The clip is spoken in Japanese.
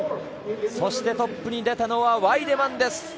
そして、トップに出たのはワイデマンです。